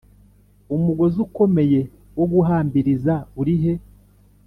Umugozi ukomeye wo guhambiriza urihe